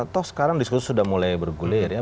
toh sekarang diskusi sudah mulai bergulir ya